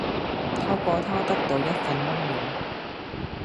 透過它得到一份温暖